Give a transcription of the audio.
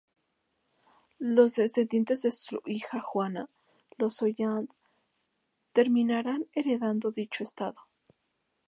Los descendientes de su hija Juana, los Holland, terminarán heredando dichos estados.